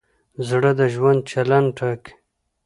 زړه د ژوند چلند ټاکي.